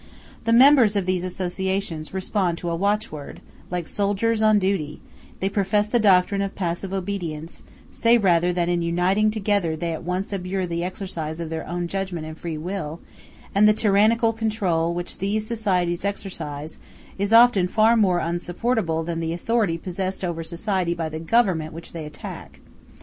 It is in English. The members of these associations respond to a watchword, like soldiers on duty; they profess the doctrine of passive obedience; say rather, that in uniting together they at once abjure the exercise of their own judgment and free will; and the tyrannical control which these societies exercise is often far more insupportable than the authority possessed over society by the Government which they attack.